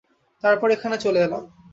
তারপর এখানে চলে এলাম।